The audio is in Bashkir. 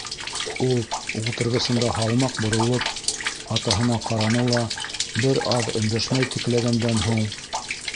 Ул, ултырғысында һалмаҡ боролоп, атаһына ҡараны ла, бер аҙ өндәшмәй текләгәндән һуң;